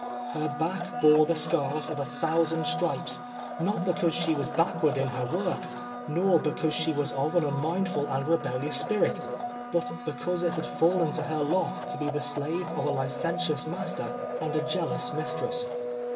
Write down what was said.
Her back boro the scars of a thousand stripes ; not because she was backward in her work, nor because she was of an un mindful and rebellious spirit, but because it had fallen to her lot to be the slave of a licentious master and a jealous mistress.